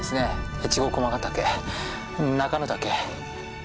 越後駒ヶ岳中ノ岳。